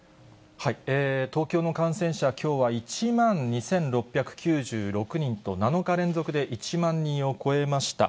東京の感染者、きょうは１万２６９６人と、７日連続で１万人を超えました。